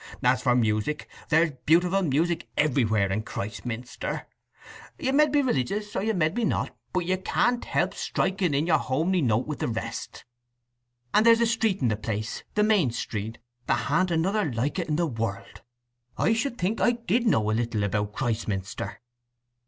As for music, there's beautiful music everywhere in Christminster. You med be religious, or you med not, but you can't help striking in your homely note with the rest. And there's a street in the place—the main street—that ha'n't another like it in the world. I should think I did know a little about Christminster!"